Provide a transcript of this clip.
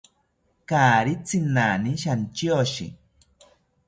Kaari tzinani shantyoshi